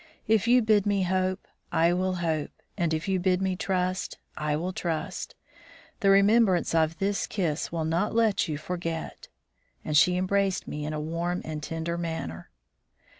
If you bid me hope, I will hope, and if you bid me trust, I will trust. The remembrance of this kiss will not let you forget." And she embraced me in a warm and tender manner.